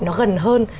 nó gần hơn